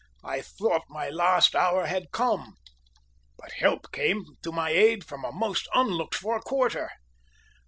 I thought my last hour had come. But help came to my aid from a most unlooked for quarter.